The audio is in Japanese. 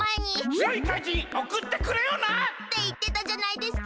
つよい怪人おくってくれよな！っていってたじゃないですか。